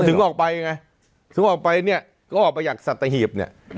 ถึงออกไปเนี่ยก็ออกไปอยากสตะหีบเนี่ย